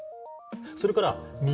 それから耳。